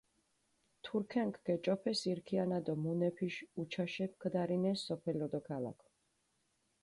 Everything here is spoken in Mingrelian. თურქენქ გეჭოფეს ირ ქიანა დო მუნეფიში უჩაშეფი ქჷდარინეს სოფელო დო ქალაქო.